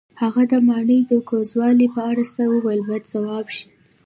هغه د ماڼۍ د کوږوالي په اړه څه وویل باید ځواب شي.